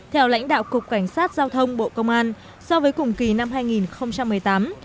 theo lãnh đạo cục cảnh sát giao thông bộ công an so với cùng kỳ năm hai nghìn một mươi tám